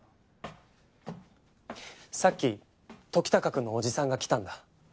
さっきときたかくんの叔父さんが来たんだ。